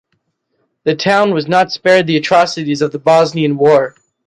The town was not spared the atrocities of the Bosnian war.